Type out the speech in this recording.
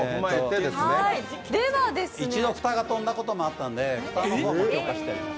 一度蓋が飛んだこともあったので蓋の方を補強してあります。